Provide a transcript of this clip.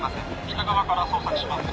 北側から捜索します。